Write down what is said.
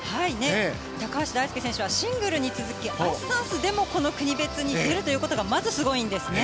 高橋大輔選手はシングルに続きアイスダンスでも国別に出るということがまず、すごいんですね。